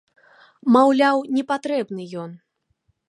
Маўляў, не патрэбны ён.